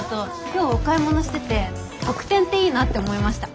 今日お買い物してて特典っていいなって思いました。